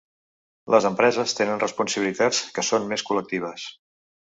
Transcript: Les empreses tenen responsabilitats que són més col·lectives.